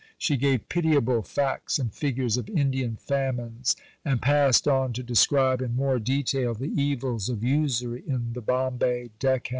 She gave pitiable facts and figures of Indian famines, and passed on to describe in more detail the evils of usury in the Bombay Deccan.